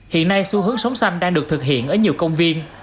hiện nay xu hướng sống xanh đang được thực hiện ở nhiều công viên